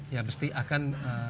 ya mesti akan